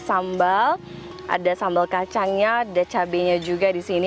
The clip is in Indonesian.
sambal ada sambal kacangnya ada cabainya juga di sini